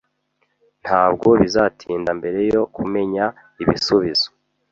Ntabwo bizatinda mbere yo kumenya ibisubizo.